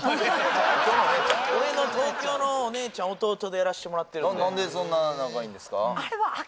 俺の東京のお姉ちゃん弟でやらせてもらってるんで何でそんな仲いいんですか？